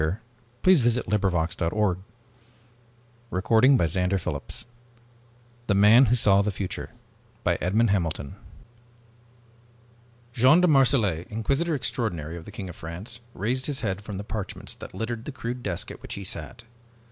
net A Classic Reprint from AMAZING STORIES, October, 1930 The MAN who SAW the FUTURE By EDMOND HAMILTON Jean de Marselait, Inquisitor Extraordinary of the King of France, raised his head from the parchments that littered the crude desk at which he sat.